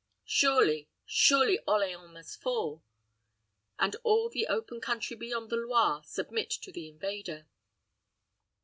Surely, surely Orleans must fall, and all the open country beyond the Loire submit to the invader.